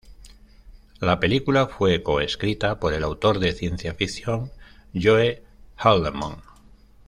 La película fue co-escrita por el autor de ciencia ficción Joe Haldeman.